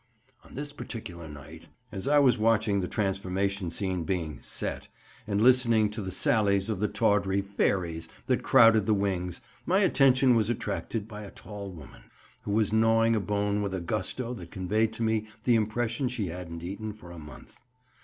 "On this particular night, as I was watching the transformation scene being 'set,' and listening to the sallies of the tawdry 'fairies' that crowded the wings, my attention was attracted by a tall woman, who was gnawing a bone with a gusto that conveyed to me the impression she hadn't eaten for a month.